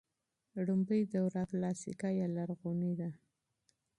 لومړۍ دوره کلاسیکه یا لرغونې ده.